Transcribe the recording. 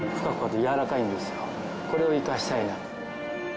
これを生かしたいなと。